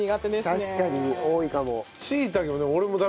確かに多いかも。